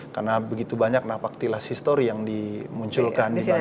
karena begitu banyak napaktilas histori yang dimunculkan di bandung